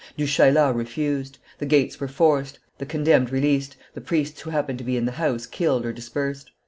Du Chayla refused. The gates were forced, the condemned released, the priests who happened to be in the house killed or dispersed.